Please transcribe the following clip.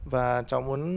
và cháu muốn